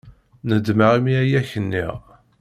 Nedmeɣ imi ay ak-nniɣ.